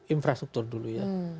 infrastruktur dulu ya